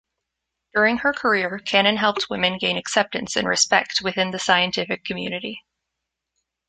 During her career, Cannon helped women gain acceptance and respect within the scientific community.